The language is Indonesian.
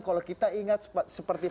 kalau kita ingat seperti